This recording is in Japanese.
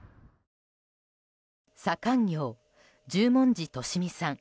左官業・十文字利美さん